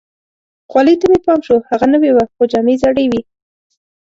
خولۍ ته مې پام شو، هغه نوې وه، خو جامې زړې وي.